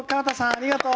ありがとう！